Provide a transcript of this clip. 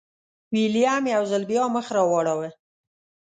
ویلیم یو ځل بیا مخ راواړوه.